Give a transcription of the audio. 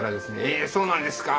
「えそうなんですか」